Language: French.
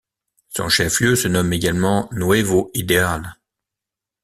Son chef-lieu se nomme également Nuevo Ideal.